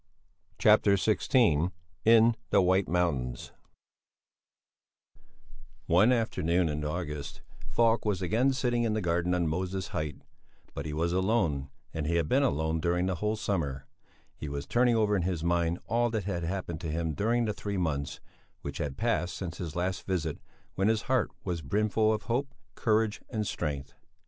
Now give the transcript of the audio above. CHAPTER XVI IN THE WHITE MOUNTAINS One afternoon in August, Falk was again sitting in the garden on Moses Height; but he was alone, and he had been alone during the whole summer. He was turning over in his mind all that had happened to him during the three months which had passed since his last visit, when his heart was brimful of hope, courage, and strength.